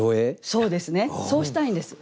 そうですねそうしたいんです。